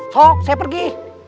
sok saya pergi